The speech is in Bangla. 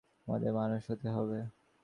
আমাদের মানুষ হতে হবে।